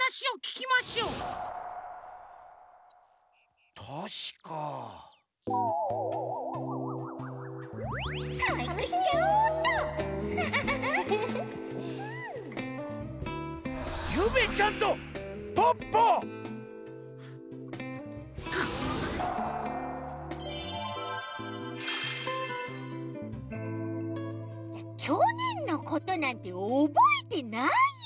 きょねんのことなんておぼえてないよ。